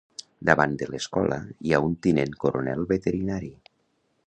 Davant de l'escola, hi ha un tinent coronel veterinari.